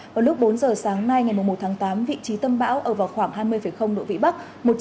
vào lúc bốn giờ sáng nay ngày một tháng tám vị trí tâm bão ở vào khoảng hai mươi độ vĩ bắc